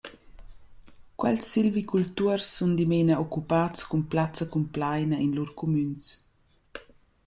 Quels silvicultuors sun dimena occupats cun plazza cumplaina in lur cumüns.